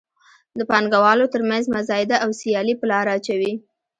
د پانګوالو تر مینځ مزایده او سیالي په لاره اچوي.